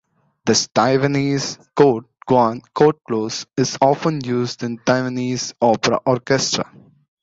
This Taiwanese "guan" is often used in the Taiwanese opera orchestra.